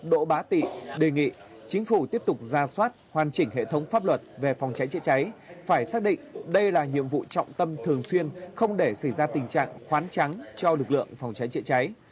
đỗ bá tị đề nghị chính phủ tiếp tục ra soát hoàn chỉnh hệ thống pháp luật về phòng cháy chữa cháy phải xác định đây là nhiệm vụ trọng tâm thường xuyên không để xảy ra tình trạng khoán trắng cho lực lượng phòng cháy chữa cháy